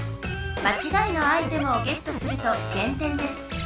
まちがいのアイテムをゲットするとげんてんです。